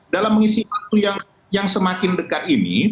dalam mengisi waktu yang semakin dekat ini